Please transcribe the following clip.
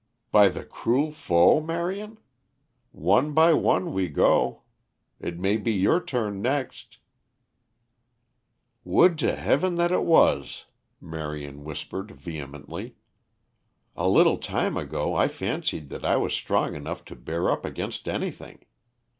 "By the cruel foe, Marion? One by one we go. It may be your turn next." "Would to Heaven that it was!" Marion whispered vehemently. "A little time ago I fancied that I was strong enough to bear up against anything.